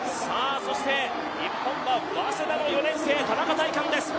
日本は早稲田の４年生、田中大寛です。